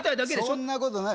そんなことない。